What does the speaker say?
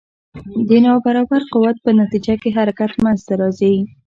د نا برابر قوت په نتیجه کې حرکت منځته راځي.